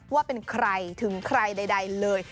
ว่าเป็นใครถึงใครใดเลย